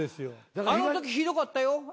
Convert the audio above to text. あのときひどかったよ。